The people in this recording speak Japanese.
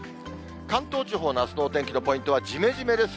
関東地方のあすのお天気のポイントはじめじめです。